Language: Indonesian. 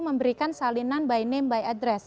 memberikan salinan by name by address